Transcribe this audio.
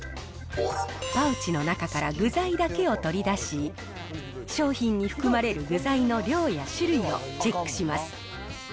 パウチの中から具材だけを取り出し、商品に含まれる具材の量や種類をチェックします。